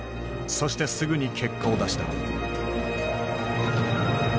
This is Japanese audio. そしてすぐに結果を出した。